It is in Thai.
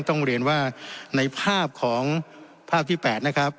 ต้องเรียนว่าในภาพของภาพที่๘นะครับ